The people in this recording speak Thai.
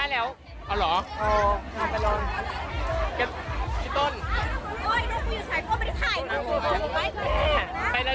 อ้าวโหแก่นไปก่อนอ้าว